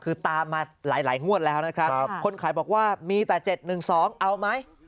คือตามมาหลายงวดแล้วนะครับคนขายบอกว่ามีแต่๗๑๒เอาไหม